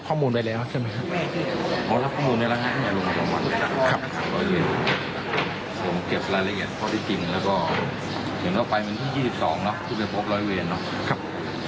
เพราะว่าเขามีการสอบถามคนที่เกี่ยวข้อ